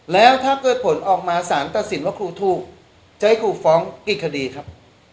แล้วถ้าเกิดผลออกมาสารตัดสินว่าครูถูกจะให้ครูฟ้องกี่คดีครับ